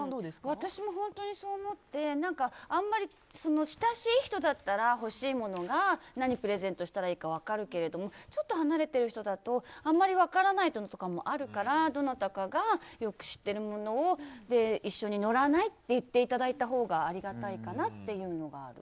私も本当にそう思って親しい人だったら欲しいものが何プレゼントしたらいいか分かるけれどもちょっと離れてる人だとあまり分からないこともあるからどなたかがよく知ってるものを一緒にのらないって言っていただいたほうがありがたいかなっていうのがある。